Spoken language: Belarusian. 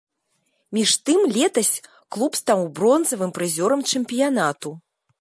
Між тым летась клуб стаў бронзавым прызёрам чэмпіянату.